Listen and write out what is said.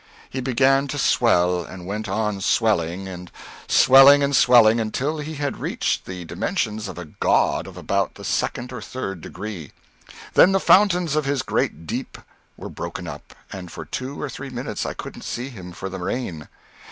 He began to swell, and went on swelling and swelling and swelling until he had reached the dimensions of a god of about the second or third degree. Then the fountains of his great deep were broken up, and for two or three minutes I couldn't see him for the rain.